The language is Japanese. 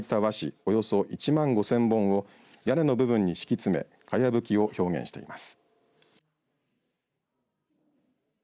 およそ１万５０００本を屋根の部分に敷き詰めかやぶきを表現しています。